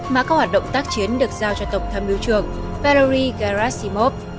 mà các hoạt động tác chiến được giao cho tổng thâm biểu trưởng valery gerasimov